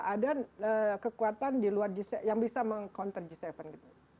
harus ditunjukkan bahwa ada kekuatan yang bisa meng counter g tujuh